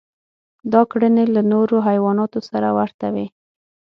دا کړنې له نورو حیواناتو سره ورته وې.